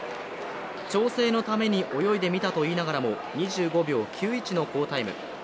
調整のために泳いでみたといいながらも２５秒９１の好タイム。